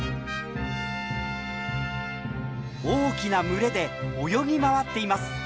大きな群れで泳ぎ回っています。